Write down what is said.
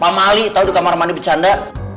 pak mali tau di kamar mandi bercanda